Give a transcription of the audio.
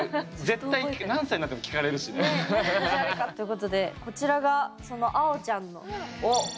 絶対何歳になっても聞かれるしね。ね。ということでこちらがそのあおちゃんの作品です！